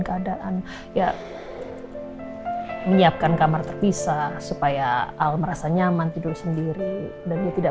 keadaan ya menyiapkan kamar terpisah supaya al merasa nyaman tidur sendiri dan dia tidak